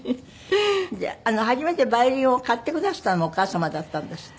初めてヴァイオリンを買ってくだすったのもお母様だったんですって？